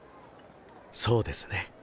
そうですね。